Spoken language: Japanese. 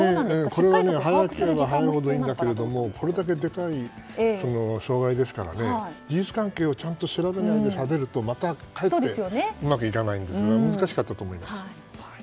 これは、対応は遅いんだけれどこれだけでかい障害ですから事実関係をちゃんと調べないでしゃべるとまたかえってうまくいかないので難しかったと思います。